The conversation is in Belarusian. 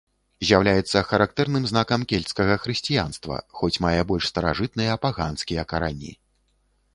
З'яўляецца характэрным знакам кельцкага хрысціянства, хоць мае больш старажытныя паганскія карані.